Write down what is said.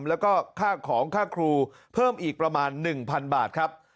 แล้วก็ค่าของค่าครูเพิ่มอีกประมาณ๑๐๐๐บาทครับ